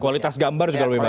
kualitas gambar juga lebih baik